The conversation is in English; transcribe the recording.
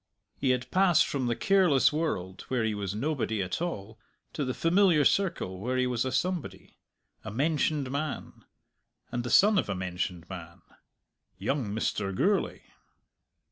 He had passed from the careless world where he was nobody at all to the familiar circle where he was a somebody, a mentioned man, and the son of a mentioned man young Mr. Gourlay!